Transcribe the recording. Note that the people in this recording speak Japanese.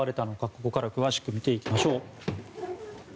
ここから詳しく見ていきましょう。